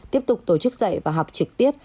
tiếp tục tổ chức dạy và học trực tiếp